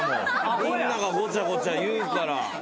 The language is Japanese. みんながごちゃごちゃ言うから。